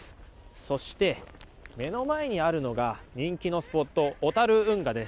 そして、目の前にあるのが人気のスポット、小樽運河です。